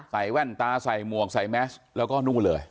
ใส่แว่นตาใส่ม่วงใส่แมชแล้วก็นุ่มเลย